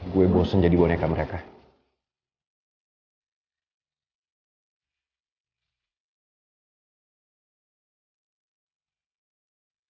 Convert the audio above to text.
gue ngerasa jadi orang yang bebas lagi kayak dulu